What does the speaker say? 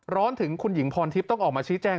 ร้อนถึงคุณหญิงพรทิพย์ต้องออกมาชี้แจง